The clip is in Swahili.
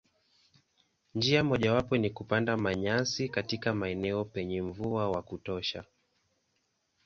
Njia mojawapo ni kupanda manyasi katika maeneo penye mvua wa kutosha.